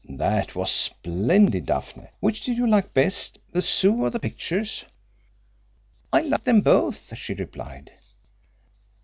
"That was splendid, Daphne! Which did you like best the Zoo or the pictures?" "I liked them both," she replied.